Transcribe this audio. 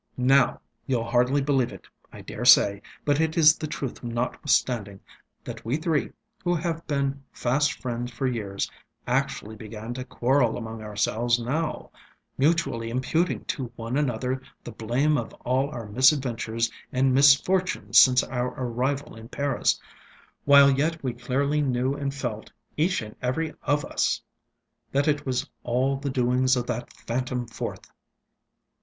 ŌĆ£Now, youŌĆÖll hardly believe it, I dare say, but it is the truth notwithstanding, that we three, who have been fast friends for years, actually began to quarrel among ourselves now, mutually imputing to one another the blame of all our misadventures and misfortunes since our arrival in Paris, while yet we clearly knew and felt, each and every of us, that it was all the doings of that phantom fourth.